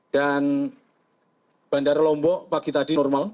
dan bandara lombok pagi tadi normal